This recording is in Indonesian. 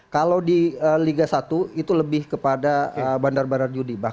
kalau di liga satu itu lebih kepada bandar bandar judi